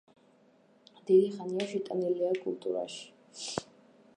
დიდი ხანია შეტანილია კულტურაში.